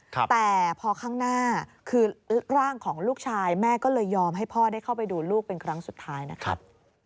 แต่พอข้างหน้าคือร่างของลูกชายแม่ก็เลยยอมให้พ่อได้เข้าไปดูลูกเป็นครั้งสุดท้ายนะครับ